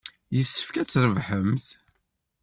Yessefk ad trebḥemt.